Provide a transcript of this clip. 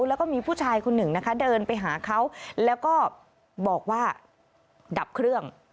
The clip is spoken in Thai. แล้วก็มีผู้ชายคนหนึ่งนะคะเดินไปหาเขาแล้วก็บอกว่าดับเครื่อง